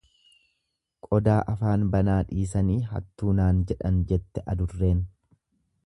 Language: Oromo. Qodaa afaan banaa dhiisanii hattuu naan jedhan jette adurreen.